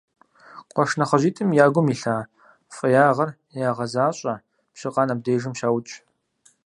Къуэш нэхъыжьитӀым я гум илъа фӀеягъэр ягъэзащӀэ: Пщыкъан абдежым щаукӀ.